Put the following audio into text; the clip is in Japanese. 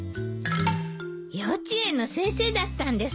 幼稚園の先生だったんですね。